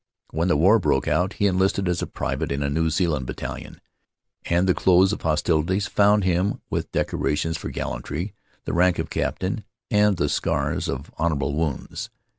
When the war broke out he enlisted as a private in a New Zealand battalion, and the close of hostilities found him with decorations for gallantry, the rank of captain, and the scars of honorable wounds.